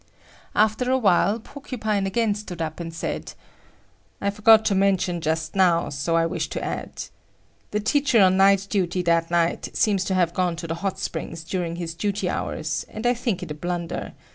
After a while, Porcupine again stood up, and said. "I forgot to mention just now, so I wish to add. The teacher on night duty that night seems to have gone to the hot springs during his duty hours, and I think it a blunder.